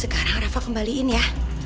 sekarang rava kembaliin ya